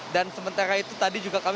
dan sementara itu tadi juga kami